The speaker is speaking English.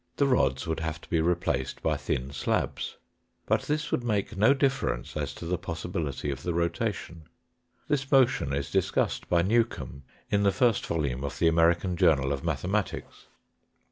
The rods would have to be replaced by thin slabs. But this would make no difference as to the possibility of the rotation. This motion is discussed by Newcomb in the first volume of the American Journal of Mathematics.